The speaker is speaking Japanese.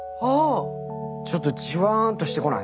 ちょっとジワンとしてこない？